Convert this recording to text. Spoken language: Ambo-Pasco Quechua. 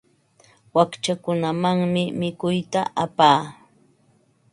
Wakchakunamanmi mikuyta apaa.